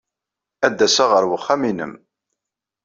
Ad d-aseɣ ɣer wexxam-nnem.